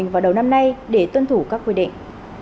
vào đầu năm nay để tuân thủ các quy định